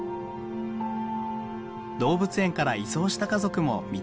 動物園から移送した家族も見つかった。